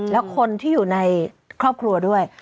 แล้วคนที่อยู่ในครอบครัวด้วย